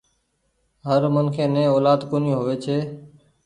هر منک ني اولآد ڪونيٚ هووي ڇي۔